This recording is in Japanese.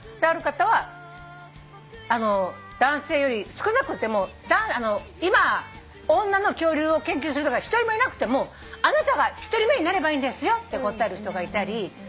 ある方は男性より少なくても今女の恐竜を研究する人が１人もいなくてもあなたが１人目になればいいんですよって答える人がいたり。